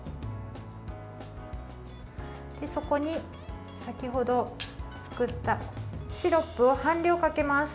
そこに先程作ったシロップを半量かけます。